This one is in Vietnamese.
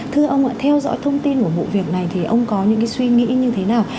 thưa ông ạ theo dõi thông tin của vụ việc này thì ông có những cái suy nghĩ như thế nào